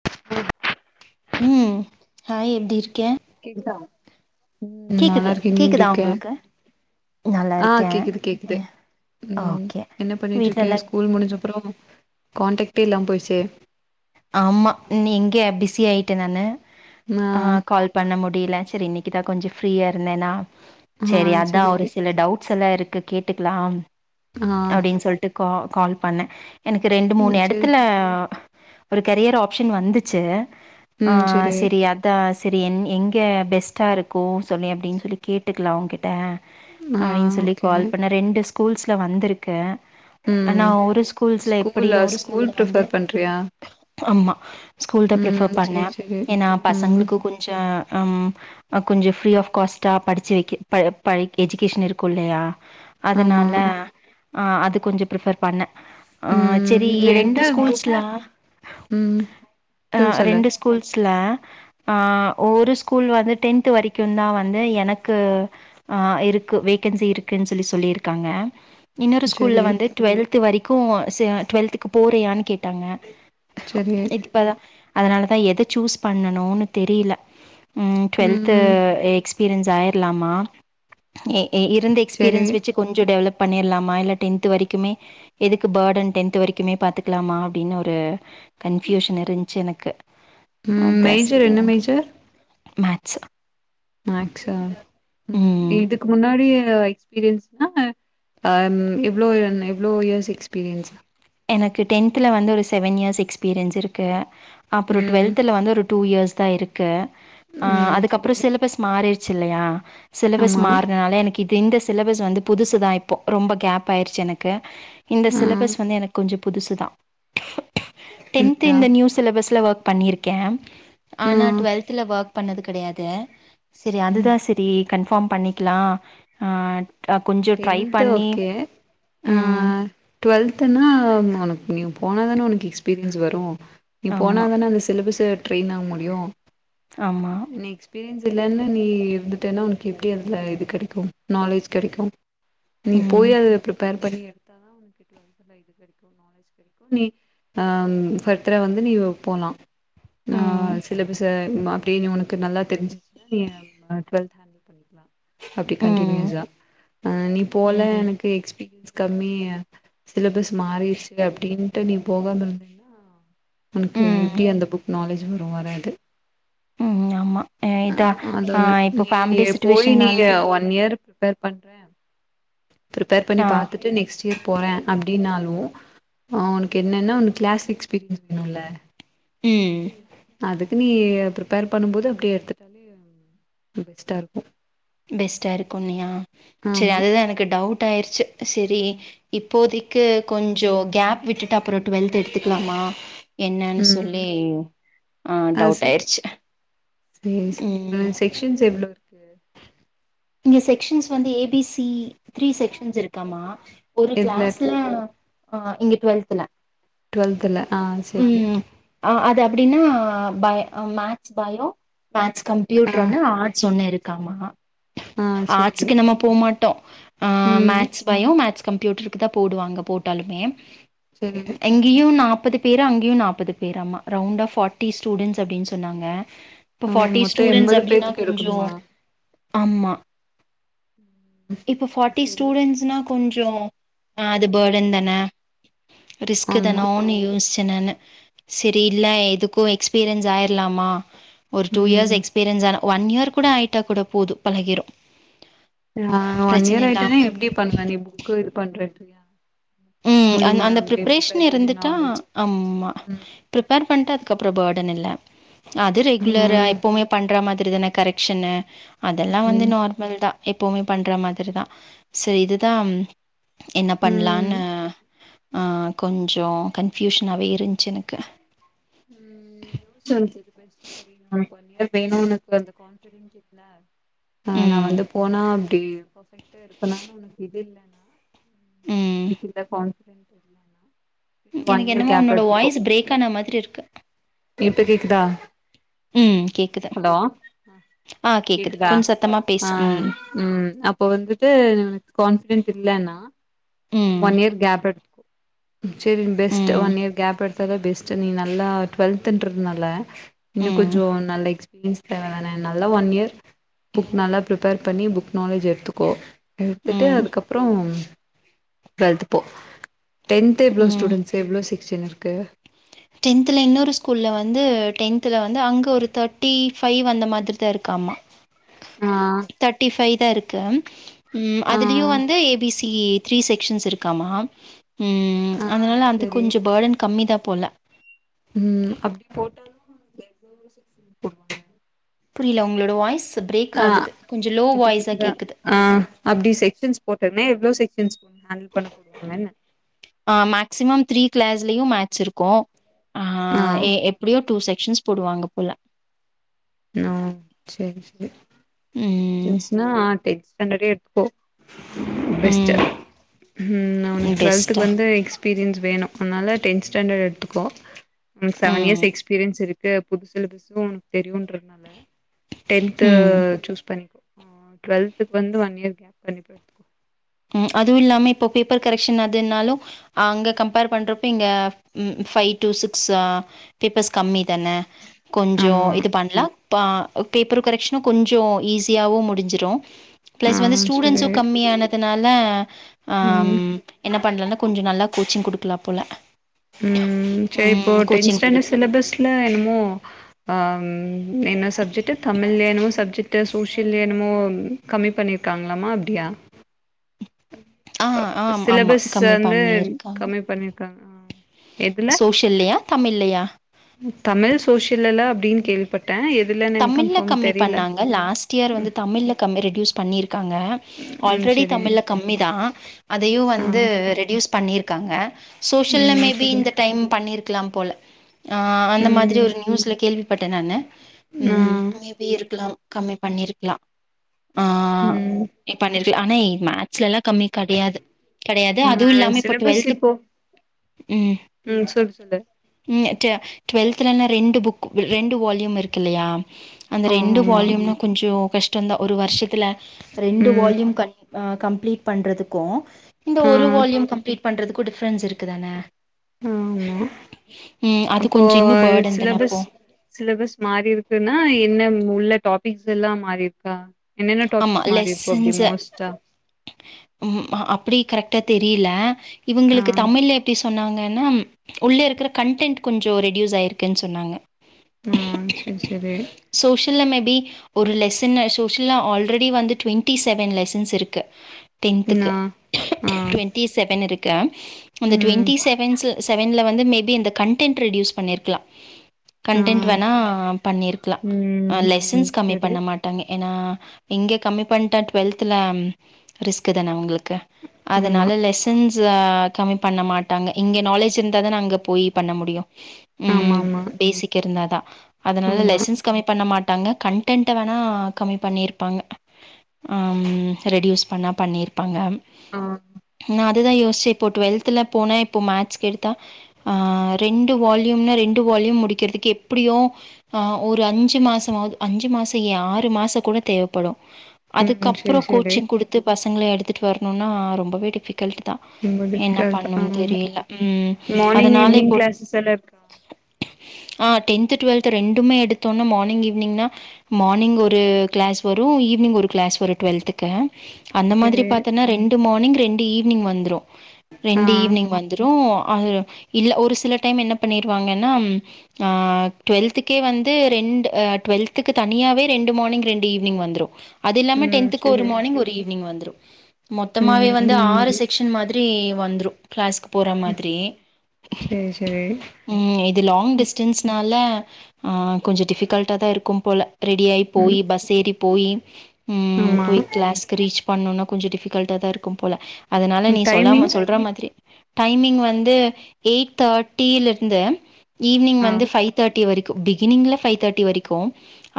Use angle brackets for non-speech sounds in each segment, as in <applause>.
ம் ம் ஹாய் எப்டி இருக்கே ஓகேதா ம் நல்லா இருக்கே நீ எப்டி கேக்குதா இருக்க உங்களுக்கு நல்லா ஆ இருக்கே கேக்குது கேக்குது ம் ஓகே என்ன பண்ணிட்டு இருக்கே வீட்லல்லா ஸ்கூல் முடிஞ்ச அப்பறோ கான்டக்டே இல்லாம போயிச்சே ஆமா நீ எங்க பிஸி ஆயிட்டே நானு ஆ கால் பண்ண முடில சேரி இன்னைக்குதா கொஞ்சம் ஃரீயா இருந்தேன்னா ஆ சேரி அதா சரி ஒரு சில டவுட்ஸ் எல்லா இருக் கு கேட்டுக்கலா ஆ அப்டின்னு சொல்ட்டு கா கால் பண்ணே எனக்கு ரெண்டு மூணு சரி இடத்துல ஒரு கரியர் ஆப்ஷன் வந்துச்சு ஆ ம் சரி சேரி அ தா சேர் எ எங்க சேரி பெஸ்ட்டா இருக்கும் சொல்லி அப்டின்னு சொல்லி கேட்டுக்கலா அவங்க்கிட்ட ஆ அப்டின்னு சொல்லி ஓகே கால் பண்ண ரெண்டு ஸ்கூல்ஸ்ல வந்திருக்கு ஆனா ம் ஒரு ஸ்கூல்ஸ்ல எப்டின்னு ஒரு ஸ்கூல்ல வந்து அப்டியா ஆமா ஸ்கூல் தா பிஃபர் பண்ணே சரி சரி ஏன்னா ம் பசங்களுக்கு கொஞ்ச அம் கொஞ்சம் ஃப்ரீ ஆஃப் காஸ்ட்டா படிச்சு வைக்க ப ப எஜிகேஷன் இருக்கும் இல்லயா ஆமா அதனால ஆ அது கொஞ்சம் ப்ரிஃபர் பண்ண ஆ சேரி ம் என்ன ரெண்டு குரூப் ஸ்கூல்ஸ்லா ம் ஆ சொல்லு சொல்லு இரண்டு ஸ்கூல்ஸ்ல ஆ ஒரு ஸ்கூல் வந்து டென்த்து வரைக்கும் தான் வந்து எனக்கு ஆ இருக்கு வேகன்சி இருக்குன்னு சொல்லி சொல்லி இருக்காங்க இன்னொரு ஸ்கூல்ல சரி வந்து டுவெல்த் வரைக்கும் சே டு்வெல்த்துக்கு போறியான்னு கேட்டாங்க செரி இப்பதா அதனாலதா எத சூஸ் பண்ணனுன்னு தெரியில ம் டுவெல்து ம் எக்ஸ்பீரியன்ஸ் ஆயிடலாமா எ எ இ இந்த சரி எக்பீரியன்ஸ் வெச்சு கொஞ்சொ டெவலப் பண்ணிட்லாமா இல்ல டென்த்து வரைக்குமே எதுக்கு பேர்டன் டென்த்து வரைக்குமே பாத்துக்குலாமா அப்டின்னு ஒரு கன்ஃபியூஷன் இருந்ச்சு எனக்கு ம் அதா மேஜர் செரி என்ன உங்கிட்ட மேஜர் மேக்ஸ் மேக்ஸ்ஸா ம் இதுக்கு முன்னாடி எக்ஸ்பீரியன்ஸ்னா ஆம் இவ்ளோ இவ்ளோ இயர்ஸ் எக்ஸ்பீரியன்ஸா எனக்கு டென்த்துல வந்து ஒரு செவன் இயர்ஸ் எக்ஸ்பீரியன்ஸ் இருக்கு அப்புறோ ம் டுவெல்த்துல வந்து ஒரு டூ இயர்ஸ் தா இருக்கு ஆ ம் அதுக்கு சரி அப்புறோ சிலபஸ் மாறிச்சு இல்லயா சிலபஸ் ஆமா மாறுனனால எனக்கு இது இந்த சிலபஸ் வந்து புதுசுதா இப்போ ரொம்ப கேப் ஆயிருச்சு எனக்கு இந்த ஆ சிலபஸ் வந்து எனக் புதுசுதா டென்த்து அப்டியா இந்த நியூ சிலபஸ்ல ஓர்க் பண்ணிருக்கே ஆ ஆனா டுவெல்த்துல ஒர்க் பண்ணது கெடையாது செரி அதுதா செரி கன்ஃபார்ம் பண்ணிக்லா ஆ அ கொஞ்சொ ட்ரை டென்த்து பண்ணி ம் டு்வெல்துன்னா உனக்கு நீ போனா தானே உனக்கு எக்ஸ்பீரியன்ஸ் வரு நீ ஆமா, போன தானே அந்த சிலபஸ் ட்ரைன் ஆக முடியு ஆமா. நீ எக்ஸ் பீரியன்ஸ் இல்லன்னு நீ இருந்துட்டேன்னா உனக்கு அதுல இது கெடைக்கு நாலெட்ஜ் கெடைக்கு நீ ம். போய் அது ப்ரிப்பேர் பண்ணி எடு த்தா உனக்கு டுவெல்த்துல எடுக்கறக்கு நாலேஜ் கெடைக்கு நீ ஆ ஃபர்தரா வந்து நீ போலா ஆ ம். சிலபஸ அப்டின்னு உனக்கு நல்லா தெரிஞ்சுச்சுன்னா நீ டுவெல்த் ஹாண் பண்ணிக்லா அப்டி ம். ஆ நீ ம் எனக்கு எக்ஸ் பீரியன்ஸ் கம்மி சிலபஸ் மாறிச்சு அப்டின்ட்டு நீ போகாம இருந்தேனா உனக்கு ம் எப்டி அந்த புக் நாலேஜ் வரு வராது ம் ஆமா அ இதா அது ஆ ஒண்ணு இப்போ நீ ஃபேமிலி போய் நீ சுச்சுவேஷன்னால ஒன் இயர் பிப்பேர் பண்றே ப்ரிப்பேர் பண்ணி ஆ பாத்துட்டு நெக்ஸ்ட் இயர் போறே அப்டின்னாலு ஆ உனக்கு என்னன்னா உனக்கு கிளாஸ் எக்ஸ்பீரியன்ஸ் வேணுல ம் அதுக்கு நீ ப்ரிப்பேர் பண்ணும்போது அப்டியே எடுத்துட்டாலே பெஸ்ட்டா இருக்கு பெஸ்ட்டா இருக்குலயா சேரி ஆமா அதுதா எனக்கு டவுட் ஆயிருச்சு சேரி இப்பபோதிக்கு கொஞ்சொ கேப் விட்டுட்டு அப்புறோ டுவெல்த் எடுத்துக்குலாமா என்னான்னு ம் சொல்லி அ ஆ டவுட் சே ஆயிருச்சு ம் ஷின்ஸ் எவ்ளோ இரு க்கு இங்க செக்ஷன்ஸ் வந்து A B C three sections இருக்காமா ஒரு எதுல கிளாஸ்ல ஆ இங்க டுவெல்த்துல டுவெல்த்துல ஆ சேரி ஆ அது அப்டின்னா பய maths bio maths computer ஒண்ணு ஆர்ட்ஸ் ஒண்ணு இருக்காமா ஆ சேரி ஆர்ட்ஸுக்கு நம்ம போ மாட்டோ ஆ ம் மேக்ஸ் பயோ மேக்ஸ் கம்ப்யூட்டருக்கு தா போடுவாங்க போட்டாலுமே செரி இங்கியு நாப்பது பேரு அங்கியு நாப்பது பேராமா ரவுண்ட்டா ஃபார்ட்டி ஸ்டூடெண்ட்ஸ் அப்டின்னு சொன்னாங்க இப்போ ஃபார்ட்டி மொத்தோ ஸ்டூடெண்ட்ஸ் எண்பது அப்டினா பேத்துக்கு கொஞ்சோ எடுக்கணுமா ஆமா இப்போ சேரி ஃபார்ட்டி சேரி ஸ்டூடென்ஸ்னா கொஞ்சோ அது பேர்டன் தானே ரிஸ்கு ஆமா தானோ யோசி என்னனு செரி இல்ல எதுக்கும் எக்ஸ்பீரியன்ஸ் ஆயிரலாமா ஒரு டூ இயர்ஸ் ம் எக்ஸ்பீரியன்ஸ் ஆன ஒன் இயர் கூட ஆயிட்டா கூட போதும் பழகிரும் ஆ ஒன் இயர் ஆயிட்டேனா எப்டி பண்ணுவ நீ புக்கு இது பண்ற எடத்துலயா ம் அந் அந்த பிரிப்பரேஷன் இருந்துட்டா நாலேஜ் அம் மா ம் பிரிப்பர் பண்ணிடா அதுக்கப்றோ பேர்டன் இல்ல அது ரெகுலரா ம் எப்பவுமே பண்ற மாரி தானே கரெக்ஷனு அதெல்லா வந்து ம் நார் மல் தா எப்பவுமே பண்ற மாரி தா ச இதுதா என்ன ம் பண்ணலான்னு ஆ கொஞ்சோ கன்ஃப்யூஷனாவே இருந்துச்சு எனக்கு ம் <unintelligible> செரி ஒன் இயர் வேணும்னு அந்த கான்பிடன்ட் இருக்குல ஆ நா ம் வந்து போனா அப்டி பர்ஃபெக்ட்டா இருப்பனானு உனக்கு இது இல்லனா ம் <unintelligible> கான்ஃபிடன்ட் இல்லன்னா விட்டு ஒன் எனக்கு இயர் என்னமோ கேப் உன்னோட எடுத்துக்கோ வாய்ஸ் பிரேக் ஆன மாரி இருக்கு இப்ப கேக்குதா ம் கேக்குது ஹலோ அ. ஆ கேக்குது கேக்குதா கொஞ்சம் சத்தமா ஆ பேசு. ம். ம் அப்போ வந்துட்டு கான்ஃபிடன்ட் இல்லன்னா ம். ஒன் இயர் கேப் எடுத்துகோ செரி பெஸ்ட் ம். ஒன் இயர் கேப் எடுத்த தா பெஸ் ச் நீ நல்லா டுவெல்த்துன்றனால இன்னும் ம். கொஞ்சோ நல்ல எக்ஸ்பீரியன்ஸ் தேவ தானே நல்லா ஒன் இயர் புக் நல்லா பிரிப்பர் பண்ணி பண்ணி புக் நாலேஜ் எடுத்துக்கோ எடுத்துட்டு ம். அதுக்கப்றோ டுவெல்த் போ டென்த் எவ்ளோ ம். ஸ்டூடெண்ட்ஸ் எவ்ளோ செக்ஷன் இருக்கு டென்த்துல இன்னொரு ஸ்கூல்ல வந்து டென்த்ல வந்து அங்க ஒரு தேர்ட்டி ஃபைவ் அந்த மாரி தா இருக்கு ஆமா <inaudible> ஆ தேர்டி ஃபைவ் தா இருக்கு ஆ அதுலயும் வந்து A B C E த்திரி section இருக்காமாம் ம் ஆ அது சரி கொஞ்சம் பேர்டன் கம்மி தா போல ம் அப்டி போட்டாலும் <inaudible> புரில உங்களோட வாய்ஸ் பிரேக் ஆ ஆகுது கொஞ்சோ லோ இப்ப வாய்சா கேக்குதா கேக்குது ஆ அப்டி செக்சன்ஸ் போட்ருந்தே எவ்ளோ செக்சன் ஹேண்டில் பண்ணி போடுவாங்கன அ மேக்சிமம் த்ரீ கிளாஸ்லயும் மேக்ஸ் இருக்கும் ஆ எப் டியும் டூ செக்ஷன்ஸ் போடுவாங்க போல ஆ செரி செரி டூ ம் செக்ஷன்ஸ்னா டென்த் ஸ்டாண்டர்டே எடுத்துக்கோ பெஸ்ட் ம் ம் உனக்கு டுவெல்த்துக்கு பெஸ்ட்டா வந்து எக்ஸ் எக்ஸ்பீரியன்ஸ் வேணும் அதனால டென் ஸ்டாண்டர்ட் எடுத்துக்கோ சவன் ம் இயர் எக்ஸ்பீரியன்ஸ் இருக் இது புது சிலபஸ் உனக்கு தெரியுன்றதுனால டென்த் ம் சூஸ் பண்ணிக்கோ டுவெல்த்க்கு வந்து ஒன் இயர் கேப் பண்ணி போய்டு ம் அதுவும் இல்லாம இப்போ பேப்பர் கரெக்ஷன் அதுனாலும் அங்க கம்பேர் பண்றப்போ இங்க ஃபைவ் டூ சிக்ஸ் பேப்பர்ஸ் கம்மி தானே கொஞ்சோ ஆமா இது பண்லாம் பா பேப்பர் கரெக்ஷனும் கொஞ்சோ ஈஸியாவும் முடிஞ்சிடும் ஆ பிளஸ் வந்து ஸ்டூடென்ஸு செரி கம்மியானதுனால ஆ ம் என்ன பண்லான்னா கொஞ்ச நல்லா கோச்சிங் குடுக்கலா போல ம் சரி இப்போ ம் கோச்சிங் டென்ஸ்டாண்டட் குடுக்கலா சிலபஸ் இல்ல என்னமோ ஆ என்ன சப்ஜெக்ட் தமிழ்ல என்னமோ சப்ஜெட் டு சோசியல் என்னமோ கம்மி பண்ணிருகாங்களாமா அப்டியா ஆ ஆம் ஆமா சிலபஸ் கம்மி வந்து பண்ணி இருகாங்க கம்மி பண்ணிருக்காங்க எதுல சோஷியல்லயா தமிழ்லையா தமிழ் சோசியல்லலா அப்டின் கேள்வி பட் பட்ட எதுலன் தமிழ்ல கம்மி பண்ணாங்க லாஸ்ட் இயர் வந்து தமிழ்ல கம் ரெடியூஸ் பண்ணிருக்காங்க ம் ஆல்ரெடி சரி தமிழ்ல கம்மி தா அதையு ஆ வந்து ரெடியூஸ் பண்ணிருகாங்க சோஷியல்ல ம் மேபி சரி இந்த டைம் பண்ணிருக்கலா போல ஆ அந்த மாரி ம் ஒரு நியூஸ்ல கேள்விபட்ட நானு ஆ ம் மேபி இருக்லா கம்மி பண்ணி இருக்லா ம் மி பண்ணிருக்லா ஆனா மேக்ஸ்லலா கம்மி கெடையாது கெடையாது அதுவு ம் இல்லாம இப்ப சிலபஸ் டுவல்த் இப்போ ம் ம் சொல்லு சொல்லு ம் டுவெல்தலலா ரெண்டு புக் ரெண்டு வால்யூம் இருக் இல்லயா அந்த ஓ ரெண்டு ஆமா வால்யூமு கொஞ்ச கஷ்டந்தா ஒரு வருஷத்துல ரெண்டு வால்யூம் ம் கம் கம்ப்ளீட் பண்றதுகு இந்த ஒரு ஆ வால்யூம் கம்ப்ளீட் பண்றதுகு டிஃப்ரென்ஸ் இருக்குதான ஆமா ம் அது அப்போ கொஞ்ச இன்னும் பேடன் தான சிலபஸ் இப்போ சிலபஸ் மாறி இருகுன்னா என்ன உள்ள டாபிக்ஸ் எல்லா மாறிருக் என்ன ஆமா டாபிக் மாரி இருக்கு அப்டி லெசன்ஸ் மோஸ்டா ம் அப்டி கரெக்டா தெரியல ஆ இவங்களுக்கு தமிழ்ல எப்டி சொன்னாங்கனா உள்ள இருக்கிற கண்டடென்ட் கொஞ்ச ரெடியூஸ் ஆயிருக்குன் சொன்னாங்க ம் செரி செரி சோஷியல்ல மேபி ஒரு லெசன சோஷி ல்ல ஆல்ரெடி வந்து டுவென்டி செவன் லெசன்ஸ் இருக்கு நா டென்துக்கு ஆ டுவென் டிசெவன் இருக்க அந்த ம் டுவெண்ட்டி செவன்ஸ் செவன்ல வந்து மேபி அந்த கண்டென்ட் ரெடியூஸ் பண்ணி இருக்லா ஆ கன்டென்ட் வேணா பண்ணி இருக்கலா ம் ம் லெசன்ஸ் கம்மி செரி பண்ண மாட்டாங்க ஏனா இங்க கம்மி பண்ட்டா டுவல்துல ரிஸ்க் தான உங்களுக்கு ஆமா அதனால லெஸ் சன்ஸ் கம்மி பண்ண மாட்டாங்க இங்க நாலேஜ் இருந்தா தான அங்க போய் பண்ண முடியு ஆமா ம் ஆமா பேசிக் இருந்தாதா அதனால ஆமா லெசன்ஸ் கம்மி பண்ண மாட்டாங்க கன்டென்ட வேணா கம்மி பண்ணிரு பாங்க அம் ரெடியூஸ் பண்ணா பண்ணி இருப்பாங்க ஆ ந அதுதா யோசிச்ச இப்ப டுவெல்துல போன இப்போ மேக்ஸ் எடுத்தா ஆ ரெண்டு வால்யூம்னா ரெண்டு வால்யூம் முடிகிறதுகு எப்டியோ ஆ ஒரு அஞ்சு மாசமாது அஞ்சு மாச ஏ ஆறு மாச கூட தேவ படு ம் அதுக்கப்பற செரி செரி கோச்சிங் குடுத்து பசங்கள எடுதுட்டு வரணுனா ரொம்பவே டிஃபி கல்ட்தா ரொம்ப என்ன டிஃபிகல்ட் ஆ பண்ணனு தெரியல ம் மார்னிங் அதனாலே ஈவினிங் இப்ப கிளாஸஸ் எல்லா இருக்கா <unintelligible> ஆ டென்த் டுவெல்த் ரெண்டுமே எடுதோனா மானிங் ஈவினிங்னா மார்னிங் ஒரு கிளாஸ் வரு ஈவினிங் ஒரு கிளாஸ் வரு டுவெல்த்க்கு அந்த மாதிரி செரி பாத்தன்னா ரெண் டு மார்னிங் ரெண்டு ஈவினிங் வந்துரு ஆ ரெண்டு ஈவினிங் வந் துரு அது இல்ல ஒரு சில டைம் என்ன பண்ணிருவாங்கன்னா ஆ டுவெல்த்துகே வந்து ரெண்டு டுவெல்த்துக்கு தனியாவே ரெண்டு மார்னிங் ரெண் டு ஈவினிங் வந்துரு அது இல்லாம ம் டென்த்துக்கு ஒரு செரி மார்னிங் ஒரு ஈவ்னிங் வந்துரு மொத்தமாவே ம் வந்து ஆறு செக்க்ஷன் மாதிரி வந்துரு கிளாஸ்க்கு போற மாதிரி சேரி சேரி ம் இது லாங் டிஸ்டன்ஸ்னால ஆ கொஞ்சோ டிஃபிகல்டாதா இருக்கும் போல ரெடி ஆயி போயி ம் பஸ் ஏறி போயி ம் ஆமா போயி கிளாஸ்க்கு ரீச் பண்ணனு கொஞ்சோ டிஃபிகல்டாதா இருக்கும் போல அதனால நீ சொல்லாம டைமிங் சொல்ற மாதிரி டைமிங் வந்து எயிட் தேட்டில இருந்து ஈவி்னிங் ஆ வந்து ஃபைவ் தேர்ட்டி வரைக்கு பிகினிங்ல ஃபைவ் தேட்டி வரைக்கு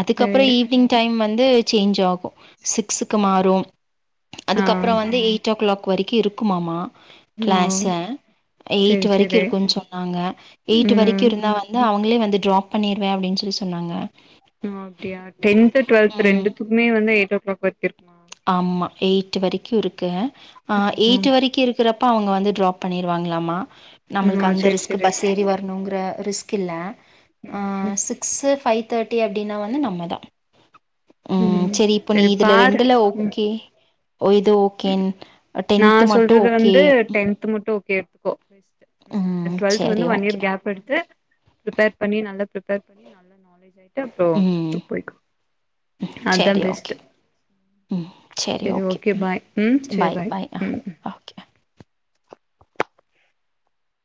அதுக்கப்பறோ சேரி ஈவினிங் டைம் வந்து சேஞ்ச் ஆகு சிக்ஸுக்கு மாறு ஆ அதுக்கப்பறோ வந்து எயிட் ஓ கிளாக் வரைக்கு இருக்குமாமா ஓ கிளாஸ் எயிட் சேரி வரைக்கு சேரி இருக்குன்னு சொன்னாங்க எயிட் வரைக்கு ம் இருந்தா வந்து வந்து அவுங்களே வந்து டிராப் பண்ணிருவே அப்டின்னு சொல்லி சொன்னாங்க ஓ அப்டியா டென்த் டுவல்த் ம் ரெண்டுதுக்குமே வந்து எயிட் ஓ கிளாக் வரைக்கு இருக்குமா ஆமா எயிட் வரைக்கு இருக்கு ஆ எயிட் ம் வரைக்கு இருக் குறப்ப அவுங்க வந்து ட்ராப் பண்ணிருவாங்களாமா ம் நம்மளுக்கு ஓ அந்த சேரி ரிஸ்க் சேரி பஸ் ஏறி வ ரணுங்கிற ரிஸ்க் இல்ல ஆ ம் சிக் ஸ் ஃபைவ் தேட்டி அப்டின்னா வந்து நம்மதா ம் செரி இப்ப நீ சேரி இதுல பாரு ரெண்டுல ம் எது ஓகேன் நா டென்த் மட்டு சொல்றது ஓகே வந்து டென்த் மட்டு ஓகே எடுத்துக்கோ பெஸ்ட் ம் டுவல்த் சரி வந்து ஒன் இயர் ஓகே கேப் எடுத்து பிரிப்பேர் பண்ணி நல்லா பிரிப்பேர் பண்ணி நல்ல நாலேஜ் ஆயிட்டு அப்பறோ பிளஸ் ம் டூக்கு போய்க்கோ அதுதா சரி பெஸ்ட்ட் ஓகே ம் சரி செரி ஓகே பாய் ம் செரி பாய் ம் ஓகே